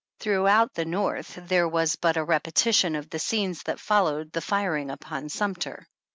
Throughout the North there was but a repetition of the scenes that followed the firing upon Sumter.